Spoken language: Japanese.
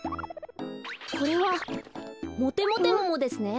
これはモテモテモモですね。